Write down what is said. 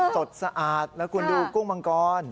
สดสะอาดนะคุณดูกุ้งมังกร